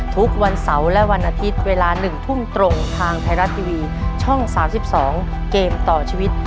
ทุกวันเสาร์และวันอาทิตย์เวลา๑ทุ่มตรงทางไทยรัฐทีวีช่อง๓๒เกมต่อชีวิต